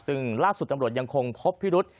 ซึ่งล่าสุดตำรวจยังคงพบพิรุษ